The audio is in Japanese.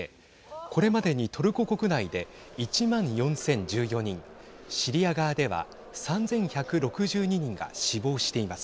これまでにトルコ国内で１万４０１４人シリア側では３１６２人が死亡しています。